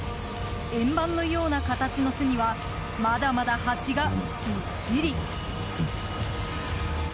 円盤のような形の巣にはまだまだハチがびっしり。